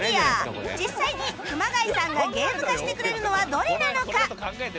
実際に熊谷さんがゲーム化してくれるのはどれなのか？